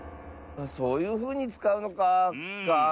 そういうふうにつかうのかあ。